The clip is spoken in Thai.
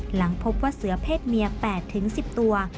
หลังพบว่าเสือเพศเมีย๘๑๐ตัว